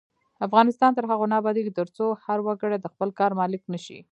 افغانستان تر هغو نه ابادیږي، ترڅو هر وګړی د خپل کار مالک نشي.